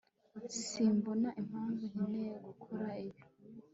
simbona impamvu nkeneye gukora ibi